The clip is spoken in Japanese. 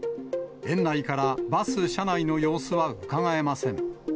園内からバス車内の様子はうかがえません。